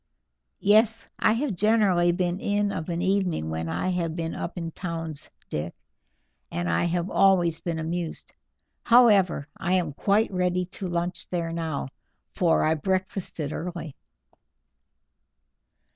"Yes, I have generally been in of an evening when I have been up in towns Dick, and I have always been amused. However, I am quite ready to lunch there now, for I breakfasted early."